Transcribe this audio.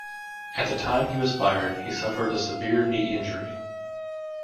At the time he was fired, he suffered a severe knee injury.